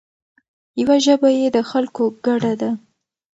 یوه ژبه یې د خلکو ګډه ده.